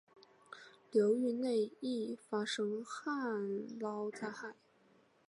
流域内易发生旱涝灾害。